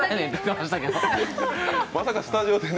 まさかスタジオでね。